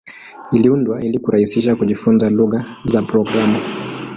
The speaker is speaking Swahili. Iliundwa ili kurahisisha kujifunza lugha za programu.